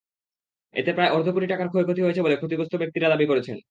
এতে প্রায় অর্ধকোটি টাকার ক্ষতি হয়েছে বলে ক্ষতিগ্রস্ত ব্যক্তিরা দাবি করেছেন।